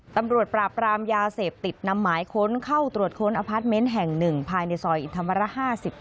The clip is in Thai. ตำรวจปราบรามยาเสพติดนำหมายค้นเข้าตรวจค้นอพาร์ทเมนต์แห่ง๑ภายในซอยอินธรรมระ๕๑